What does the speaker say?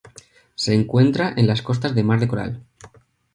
Se encuentra en las costas del Mar del Coral.